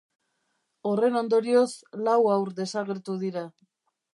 Horren ondorioz, lau haur desagertu dira.